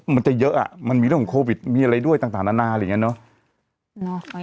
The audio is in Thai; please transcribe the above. มันจะเยอะอ่ะมันมีเรื่องของโควิดมีอะไรด้วยต่างนานาอะไรอย่างนี้เนอะ